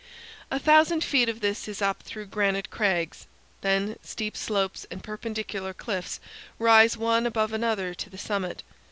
A thousand feet of this is up through granite crags; then steep slopes and perpendicular cliffs rise one above another to the summit.